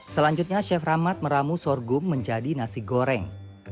selanjutnya chef rahmat meramu sorghum menjadi nasi goreng